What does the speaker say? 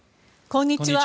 こんにちは。